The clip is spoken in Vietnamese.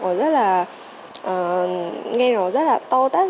thật ra là nghiên cứu khoa học rất là to tắt